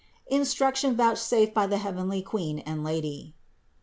INSTRUCTION VOUCHSAFED BY THE HEAVENLY QUEEN AND LADY.